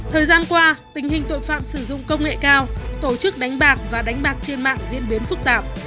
thời gian qua tình hình tội phạm sử dụng công nghệ cao tổ chức đánh bạc và đánh bạc trên mạng diễn biến phức tạp